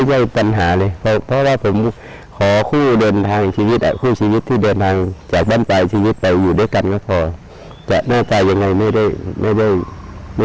อีกประมาณ๑๐๐กิโลเมตรถึงนี่ตื่นเต้นมากขึ้นกว่าเดินไหมคะ